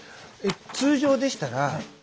通常でしたら。